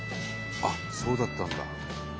あっそうだったんだ。